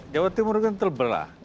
jawa timur kan terbelah